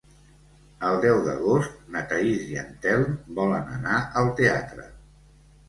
El deu d'agost na Thaís i en Telm volen anar al teatre.